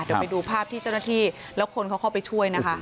เดี๋ยวไปดูภาพที่เจ้าหน้าที่แล้วคนเขาเข้าไปช่วยนะคะ